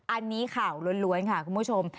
อันนี้ข่าวล้วนค่ะคุณผู้ชม